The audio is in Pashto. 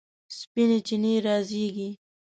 سپینې چینې رازیږي